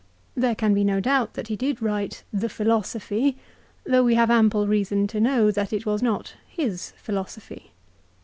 There can be no doubt that he did write "The Philosophy," though we have ample reason to know that it was not his philosophy.